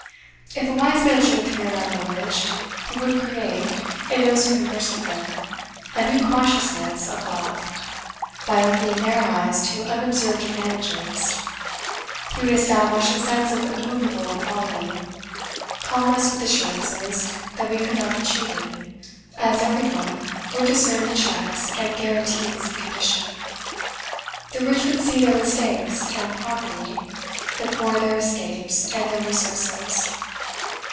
If a wise man should appear in our village, he would create, in those who conversed with him, a new consciousness of wealth, by opening their eyes to unobserved advantages; he would establish a sense of immovable equality, calm us with assurances that we could not be cheated; as every one would discern the checks and guaranties of condition. The rich would see their mistakes and poverty, the poor their escapes and their resources.